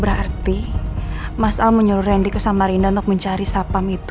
berarti mas al menyeluruh randi ke samarinda untuk mencari sapam itu